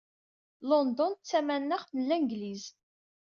London d tamaneɣt n Langliz.